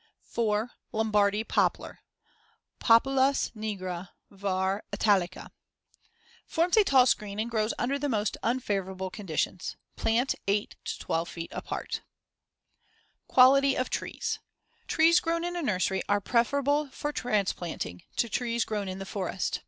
4. Lombardy poplar (Populus nigra var. italica) Forms a tall screen and grows under the most unfavorable conditions. Plant 8 to 12 feet apart. Quality of trees: Trees grown in a nursery are preferable for transplanting to trees grown in the forest.